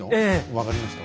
分かりました。